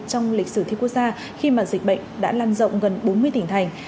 trong lịch sử thi quốc gia khi mà dịch bệnh đã lan rộng gần bốn mươi tỉnh thành